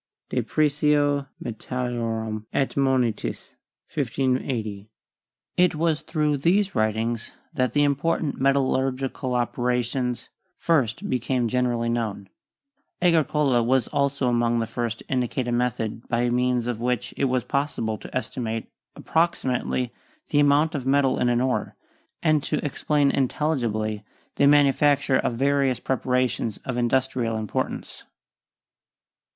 . de precio metallorum et monetis' (1580). It was through these writings that the important metallurgical operations first became generally known; Agricola was also among the first to indicate a method by means of which it was possible to estimate approximately the amount of metal in an ore, and to explain intelligibly the manufacture of various preparations of industrial importance.